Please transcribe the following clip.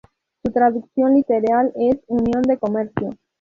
Su traducción literal es "unión de comercio".